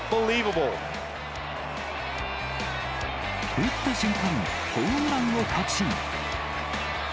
打った瞬間、ホームランを確信。